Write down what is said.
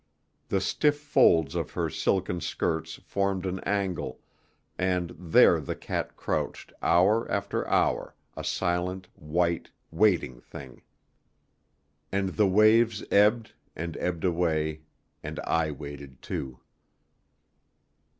The stiff folds of her silken skirts formed an angle, and there the cat crouched hour after hour, a silent, white, waiting thing. And the waves ebbed and ebbed away, and I waited too.